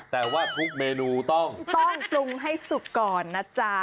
แต่ว่าทุกเมนูต้องปรุงให้สุกก่อนนะจ๊ะ